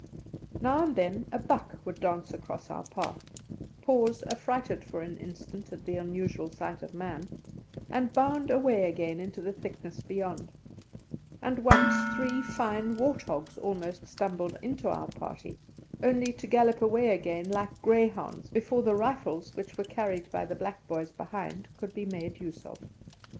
Now and then a buck would dance across our path, pause affrighted for an instant at the unusual sight of man, and bound away again into the thickness beyond; and once three fine wart hogs almost stumbled into our party, only to gallop away again like greyhounds, before the rifles, which were carried by the black boys behind, could be made use of.